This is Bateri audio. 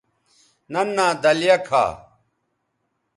ننھا دلیہ کھا